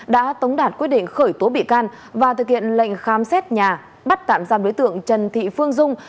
đã tống đạt quyết định khởi tố bị can và thực hiện lệnh khám xét nhà bắt tạm giam đối tượng trần thị phương dung